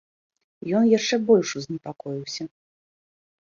Ён яшчэ больш узнепакоіўся.